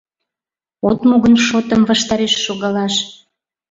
От му гын шотым ваштареш шогалаш